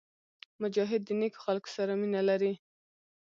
مجاهد د نیکو خلکو سره مینه لري.